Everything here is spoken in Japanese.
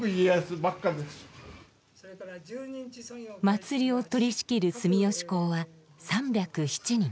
祭りを取りしきる住吉講は３０７人。